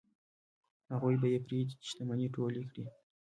هغوی به یې پرېږدي چې شتمنۍ ټولې کړي.